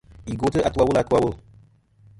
Yi gwotɨ kɨ atu a wul a atu a wul.